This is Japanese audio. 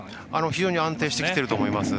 非常に安定していると思います。